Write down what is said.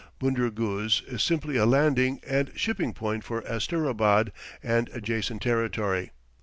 Bunder Guz is simply a landing and shipping point for Asterabad and adjacent territory.